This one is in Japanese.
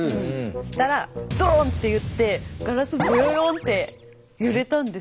そしたらっていってガラスボヨヨンって揺れたんです。